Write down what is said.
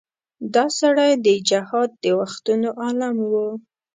دا سړی د جهاد د وختونو عالم و.